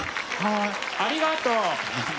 ありがとう。